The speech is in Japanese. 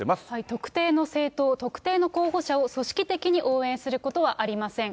特定の政党、特定の候補者を組織的に応援することはありません。